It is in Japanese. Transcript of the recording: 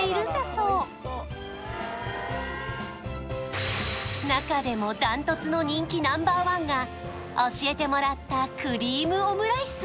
そう中でもダントツの人気Ｎｏ．１が教えてもらったクリームオムライス